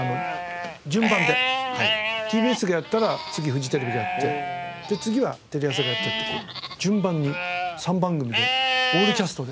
ＴＢＳがやったら次フジテレビがやって次はテレ朝がやってってこう順番に３番組でオールキャストで。